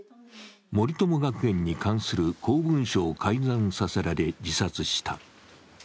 森友学園に関する公文書を改ざんさせられ、自殺した。